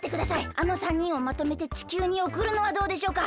あの３にんをまとめてちきゅうにおくるのはどうでしょうか？